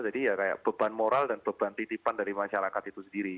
jadi ya kayak beban moral dan beban titipan dari masyarakat itu sendiri